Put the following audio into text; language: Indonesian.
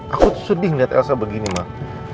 aku sedih ngeliat elsa begini mah